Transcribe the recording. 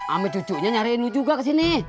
amit cucunya nyariin lu juga kesini